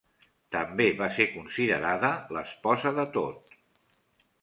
També va ser considerada l'esposa de Thoth.